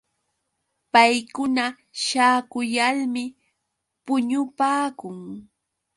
Paykuna śhaakuyalmi puñupaakun.